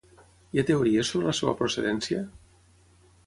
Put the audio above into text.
Hi ha teories sobre la seva procedència?